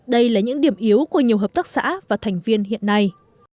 đây là những điểm yếu của nhiều hợp tác xã và thành viên hiện nay